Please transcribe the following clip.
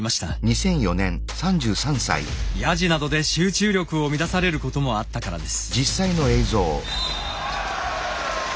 ヤジなどで集中力を乱されることもあったからです。